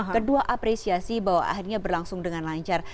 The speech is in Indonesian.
kedua apresiasi bahwa akhirnya berlangsung dengan lancar